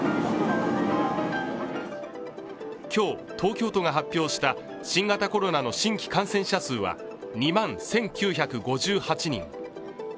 今日、東京都が発表した新型コロナの新規感染者数は２万１９５８人。